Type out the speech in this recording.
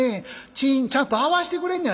『チーン』ちゃんと合わしてくれんねやで」。